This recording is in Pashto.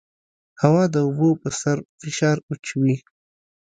هوا د اوبو پر سر فشار اچوي.